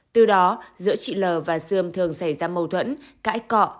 từ đó giữa chị l và sươm thường xảy ra mâu thuẫn cãi cọ